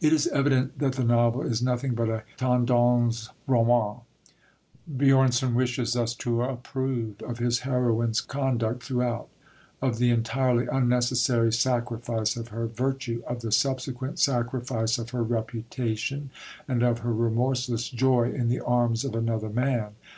It is evident that the novel is nothing but a Tendenz Roman; Björnson wishes us to approve of his heroine's conduct throughout of the entirely unnecessary sacrifice of her virtue, of the subsequent sacrifice of her reputation, and of her remorseless joy in the arms of another man.